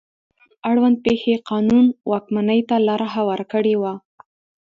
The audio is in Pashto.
د تور قانون اړوند پېښې قانون واکمنۍ ته لار هواره کړې وه.